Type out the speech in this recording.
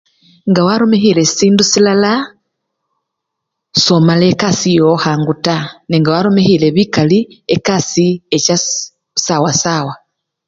Nga warumikhile sindu silala somala ekasii yowo khangu taa nenga warumikhile bikali, ekasii echa sii! sawa sawa.